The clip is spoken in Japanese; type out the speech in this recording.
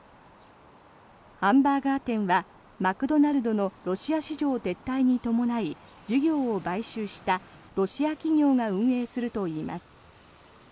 ハンバーガー店はマクドナルドのロシア市場撤退に伴い事業を買収したロシア企業が運営するといいます。